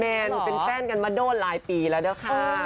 เป็นแฟนกันมาโดนหลายปีแล้วด้วยค่ะ